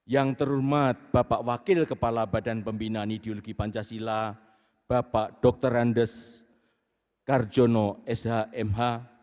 yang terhormat bapak wakil kepala badan pembinaan ideologi pancasila bapak dr andes karjono shmh